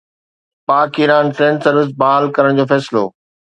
پاڪ Iran train service بحال ڪرڻ جو فيصلو